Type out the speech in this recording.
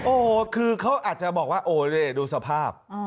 โอ้โหคือเขาอาจจะบอกว่าโอ้นี่ดูสภาพ